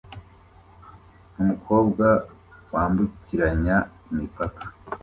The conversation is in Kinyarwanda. Umukobwa wambukiranya imipaka